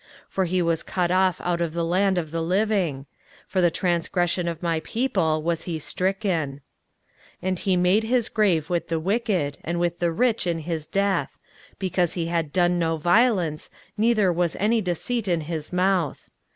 for he was cut off out of the land of the living: for the transgression of my people was he stricken. 23:053:009 And he made his grave with the wicked, and with the rich in his death; because he had done no violence, neither was any deceit in his mouth.